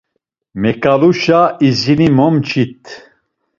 Meǩaluşa izini momçit.